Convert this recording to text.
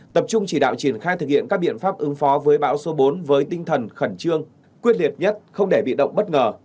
tập trung chỉ đạo triển khai thực hiện các biện pháp ứng phó với bão số bốn với tinh thần khẩn trương quyết liệt nhất không để bị động bất ngờ